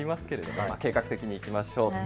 計画的に行きましょう。